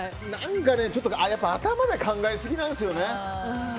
ちょっと頭で考えすぎなんですよね。